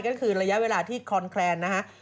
ก็คือระยะเวลาที่คอนแคลนนะฮะ